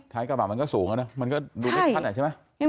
ท้ายกระบะมันก็สูงแล้วนะมันก็ดูเล็กพัดใช่ไหม